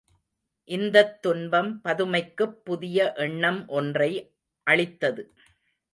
இந்தத் துன்பம் பதுமைக்குப் புதிய எண்ணம் ஒன்றை அளித்தது.